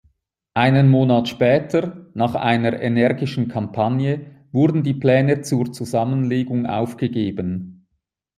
Einen Monat später, nach einer energischen Kampagne, wurden die Pläne zur Zusammenlegung aufgegeben.